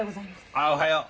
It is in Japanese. ああおはよう。